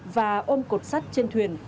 và ôm cột sắt trên thuyền